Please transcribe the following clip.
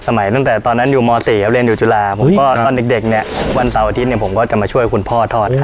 ตั้งแต่ตอนนั้นอยู่ม๔ครับเรียนอยู่จุฬาผมก็ตอนเด็กเนี่ยวันเสาร์อาทิตย์เนี่ยผมก็จะมาช่วยคุณพ่อทอด